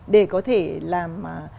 để có thể làm